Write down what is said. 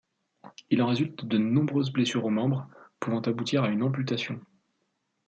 Il en résulte de nombreuses blessures aux membres, pouvant aboutir à une amputation.